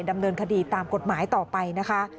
ดำเนินคดีตามกฎหมายต่อไปนะคะ